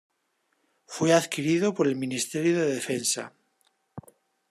Fue adquirido por el Ministerio de Defensa.